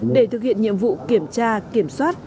để thực hiện nhiệm vụ kiểm tra kiểm soát